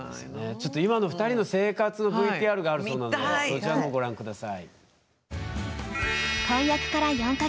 ちょっと今の２人の生活のＶＴＲがあるそうなのでそちらのほうご覧下さい。